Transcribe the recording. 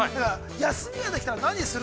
休みができたら何する？